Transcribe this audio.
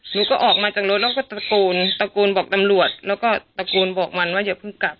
หนูก็ออกมาจากรถแล้วก็ตะโกนตะโกนบอกตำรวจแล้วก็ตะโกนบอกมันว่าอย่าเพิ่งกลับ